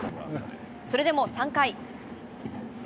それでも３回。